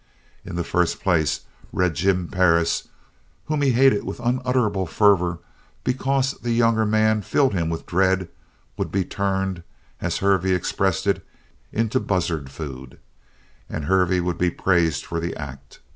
In the first place, Red Jim Perris, whom he hated with unutterable fervor because the younger man filled him with dread, would be turned, as Hervey expressed it, "into buzzard food." And Hervey would be praised for the act!